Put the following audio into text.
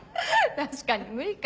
確かに無理か。